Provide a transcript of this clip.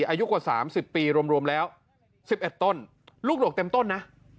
อายุกว่า๓๐ปีรวมแล้ว๑๑ต้นลูกหลวกเต็มต้นนะ